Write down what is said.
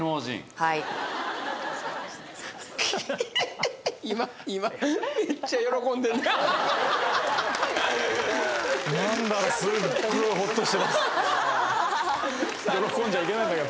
はっ喜んじゃいけないんだけど